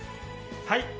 はい。